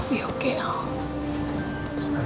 semuanya akan baik baik saja